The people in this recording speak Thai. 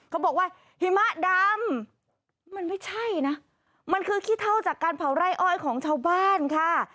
เขาบอกว่าหิมะดำมันไม่ใช่นะมันคือขี้เท่าจากการเผาไร่อ้อยของชาวบ้านค่ะ